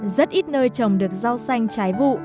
rất ít nơi trồng được rau xanh trái vụ